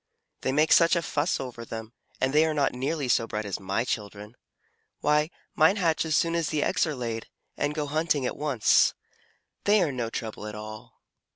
"They make such a fuss over them, and they are not nearly so bright as my children. Why, mine hatch as soon as the eggs are laid, and go hunting at once. They are no trouble at all."